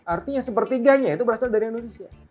artinya sepertiganya itu berasal dari indonesia